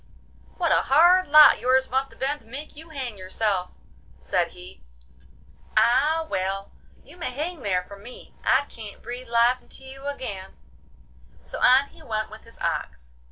'What a hard lot yours must have been to make you hang yourself!' said he. 'Ah, well! you may hang there for me; I can't breathe life into you again.' So on he went with his ox.